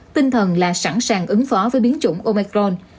tinh thần là sẵn sàng ứng phó với biến chủng omecron